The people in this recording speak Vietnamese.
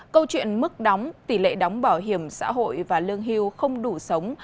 câu chuyện mức đóng tỷ lệ đóng bảo hiểm xã hội và lương hưu không đủ sống